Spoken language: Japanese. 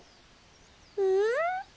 うん？